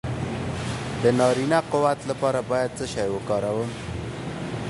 د نارینه قوت لپاره باید څه شی وکاروم؟